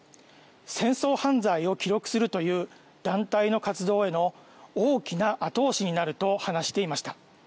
戦争犯罪を記録するという団体の活動への大きな後押しになると話していました。